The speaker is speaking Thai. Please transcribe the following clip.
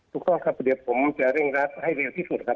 ข้อครับเดี๋ยวผมจะเร่งรัดให้เร็วที่สุดครับ